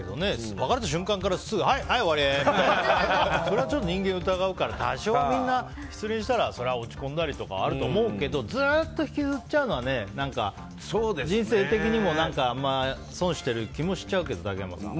別れた瞬間からはい終わり！みたいなのはそれはちょっと人間を疑うから多少は失恋したら落ち込んだりはあると思うけどずっと引きずっちゃうのは人生的にも損しているような気もしちゃうけど、竹山さん。